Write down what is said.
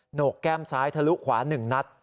โหนกแก้มซ้ายทะลุขวา๑นัด